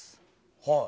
はい。